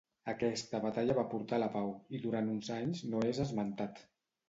Aquesta batalla va portar la pau i durant uns anys no és esmentat.